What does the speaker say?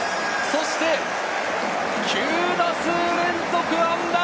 そして９打数連続安打！